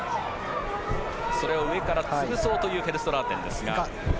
それを上から潰そうというフェルストラーテンですが。